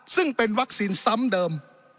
ซึ่งเป็นวัคซีนซ้ำเดิม